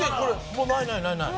もうないないないない。